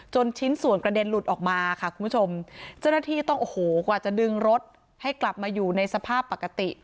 ชิ้นส่วนกระเด็นหลุดออกมาค่ะคุณผู้ชมเจ้าหน้าที่ต้องโอ้โหกว่าจะดึงรถให้กลับมาอยู่ในสภาพปกติ